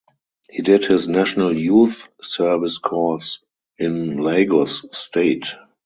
He did his National Youth Service Corps in Lagos State.